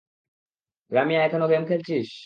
রামিয়া, এখনো গেম খেলছিস?